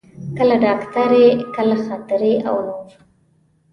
کله ډاکټري، کله خاطرې او نور.